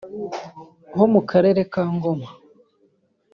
ho mu karere ka Ngoma